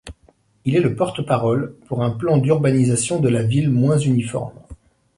Il est le porte parole pour un plan d'urbanisation de la ville moins uniforme.